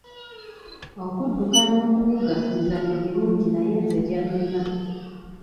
Okudduka n'okuwuga mizannyo mirungi naye nze gyannema.